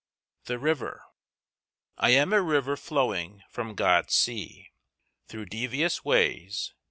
THE RIVER I am a river flowing from God's sea Through devious ways.